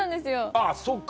あぁそっか。